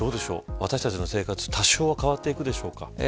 私たちの生活多少は変わっていくでしょうか。